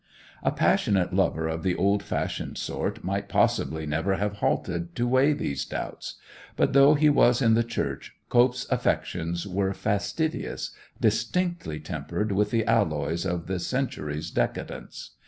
A passionate lover of the old fashioned sort might possibly never have halted to weigh these doubts; but though he was in the church Cope's affections were fastidious—distinctly tempered with the alloys of the century's decadence.